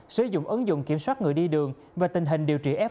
sử dụng ứng dụng kiểm soát người đi đường và tình hình điều trị f một